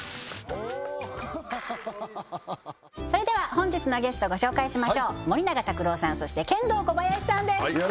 本日のゲストご紹介しましょう森永卓郎さんそしてケンドーコバヤシさんです